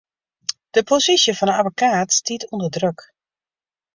De posysje fan 'e abbekaat stiet ûnder druk.